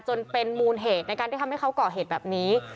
จนเป็นมูลเหตุในการที่ทำให้เขาก่อเหตุแบบนี้